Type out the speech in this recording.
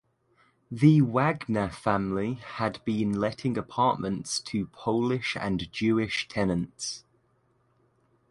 The Wagner family had been letting apartments to Polish and Jewish tenants.